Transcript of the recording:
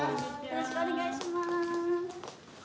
よろしくお願いします。